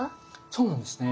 そうなんですね。